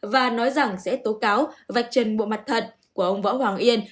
và nói rằng sẽ tố cáo vạch trần bộ mặt thật của ông võ hoàng yên